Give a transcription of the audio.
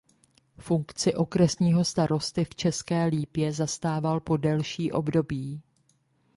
Funkci okresního starosty v České Lípě zastával po delší období.